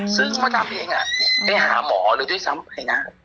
ซึ่งมดดำเองไปหาหมอเลยด้วยซ้ำไอ้นะ